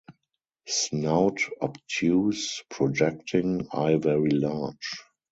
Snout obtuse, projecting; eye very large.